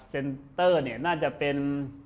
เซ็นเตอร์เนี่ยน่าจะเป็น